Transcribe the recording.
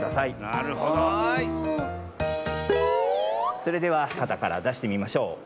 それではかたからだしてみましょう。